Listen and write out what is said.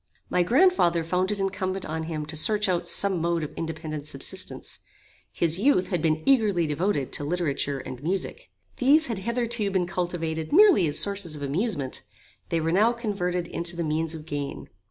My grand father found it incumbent on him to search out some mode of independent subsistence. His youth had been eagerly devoted to literature and music. These had hitherto been cultivated merely as sources of amusement. They were now converted into the means of gain.